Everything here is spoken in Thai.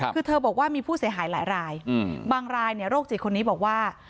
คือเธอบอกว่ามีผู้เสียหายหลายรายบางรายโรคจิตคนนี้บอกว่า